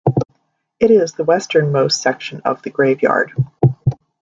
It is the western-most section of the graveyard.